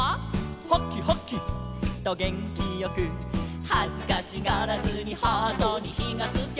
「ハキハキ！とげんきよく」「はずかしがらずにハートにひがつきゃ」